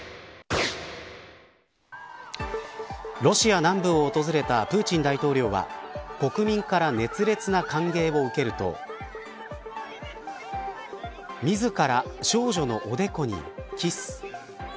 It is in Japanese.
ロシア南部を訪れたプーチン大統領は国民から熱烈な歓迎を受けると自ら、少女のおでこにキス。